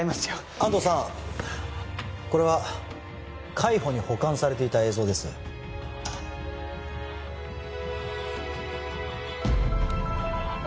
安藤さんこれは海保に保管されていた映像ですあ